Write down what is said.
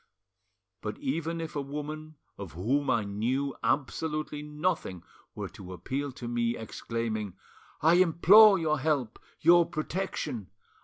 But even if a woman of whom I knew absolutely nothing were to appeal to me, exclaiming, 'I implore your help, your protection!